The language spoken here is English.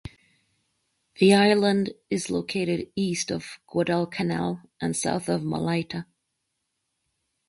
The island is located east of Guadalcanal and south of Malaita.